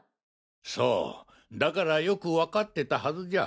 そうだからよくわかってたはずじゃ。